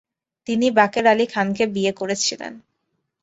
তিনি বাকের আলী খানকে বিয়ে করেছিলেন